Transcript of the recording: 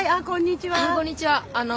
こんにちは。